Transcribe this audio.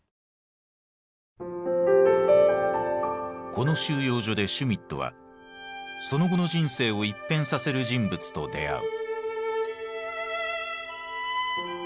この収容所でシュミットはその後の人生を一変させる人物と出会う。